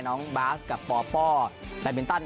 น้องบาสกับปปแบตมินตัน